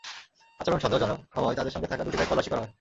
আচরণ সন্দেহজনক হওয়ায় তাঁদের সঙ্গে থাকা দুটি ব্যাগ তল্লাশি করা হয়।